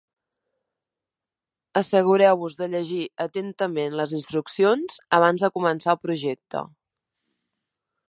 Assegureu-vos de llegir atentament les instruccions abans de començar el projecte.